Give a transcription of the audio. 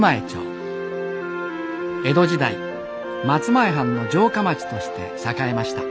江戸時代松前藩の城下町として栄えました。